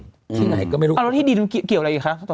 ที่ไหนก็ไม่รู้เอาแล้วที่ดินเกี่ยวอะไรอีกคะ